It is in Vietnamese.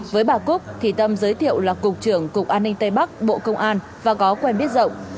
với bà cúc thì tâm giới thiệu là cục trưởng cục an ninh tây bắc bộ công an và có quen biết rộng